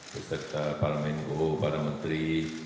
beserta pak remengko pak menteri